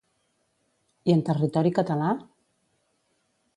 I en territori català?